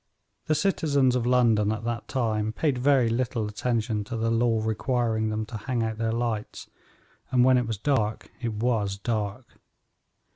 The citizens of London at that time paid very little attention to the law requiring them to hang out their lights, and when it was dark it was dark.